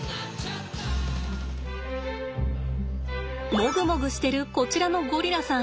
モグモグしてるこちらのゴリラさん。